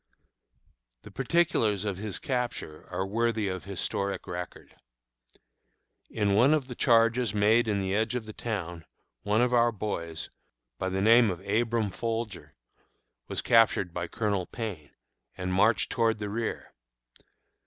The particulars of his capture are worthy of historic record. In one of the charges made in the edge of the town, one of our boys, by the name of Abram Folger, was captured by Colonel Payne, and marched toward the rear.